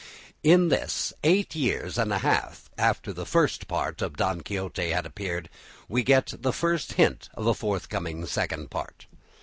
In this, eight years and a half after the First Part of "Don Quixote" had appeared, we get the first hint of a forthcoming Second Part.